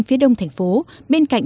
phía đông thành phố bên cạnh